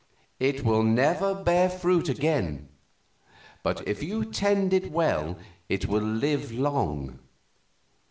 It will never bear again, but if you tend it well it will live long.